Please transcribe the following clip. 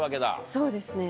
そうですね。